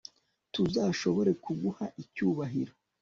tuzashobore kuguha icyubahiro